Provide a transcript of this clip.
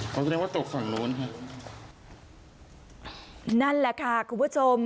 ก็คือเรียกว่าตกฝั่งโน้นค่ะนั่นแหละค่ะคุณผู้ชม